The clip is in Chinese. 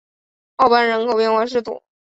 奥班人口变化图示